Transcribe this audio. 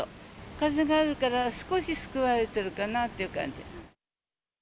風があるから、少し救われてるかなっていう感じ。